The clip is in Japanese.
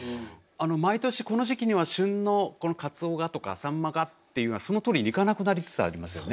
毎年この時期には旬のカツオがとかサンマがっていうのがそのとおりにいかなくなりつつありますよね。